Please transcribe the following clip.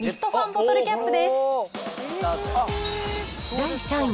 第３位。